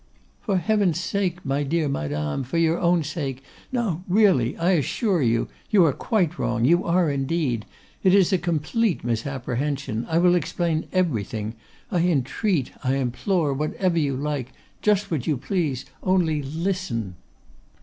'For heaven's sake, my dear Madame; for your own sake; now really; now I assure you; you are quite wrong; you are indeed; it is a complete misapprehension; I will explain everything. I entreat, I implore, whatever you like, just what you please; only listen.